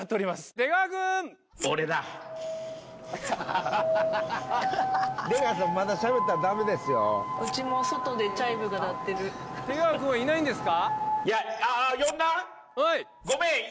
出川君はいないんですか？